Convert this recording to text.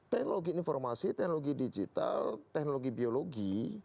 teknologi informasi teknologi digital teknologi biologi